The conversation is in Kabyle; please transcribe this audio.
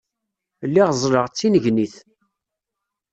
Lliɣ ẓẓleɣ d tinnegnit.